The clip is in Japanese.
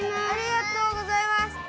ありがとうございます。